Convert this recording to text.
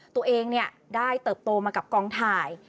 ตัวเองได้เติบโตมากับกองถ่าย